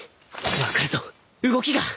分かるぞ動きが！